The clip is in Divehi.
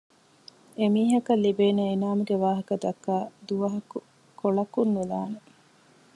އެ މީހަކަށްލިބޭނޭ އިނާމުގެވާހަކަ ދައްކައި ދުވަހަކު ކޮޅަކުންނުލާނެ